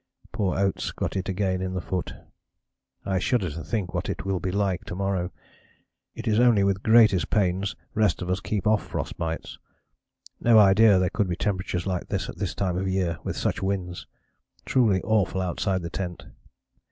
Poor Oates got it again in the foot. I shudder to think what it will be like to morrow. It is only with greatest pains rest of us keep off frost bites. No idea there could be temperatures like this at this time of year with such winds. Truly awful outside the tent.